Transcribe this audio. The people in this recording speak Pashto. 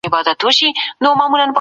دا ساتنه وړانګې جذبوي.